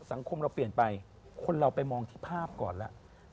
สังคมเราเปลี่ยนไปคนเราไปมองที่ภาพก่อนแล้ว